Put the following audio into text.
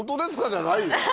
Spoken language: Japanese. じゃないよ。